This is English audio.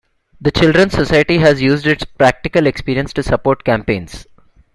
The Children's Society has used its practical experience to support campaigns.